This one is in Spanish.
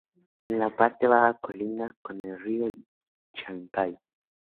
En la parte baja colinda con el río Chancay.